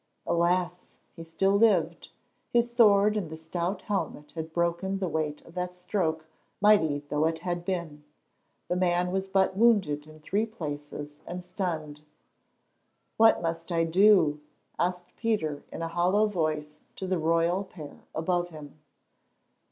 Alas! he still lived, his sword and the stout helmet had broken the weight of that stroke, mighty though it had been. The man was but wounded in three places and stunned. "What must I do?" asked Peter in a hollow voice to the royal pair above him.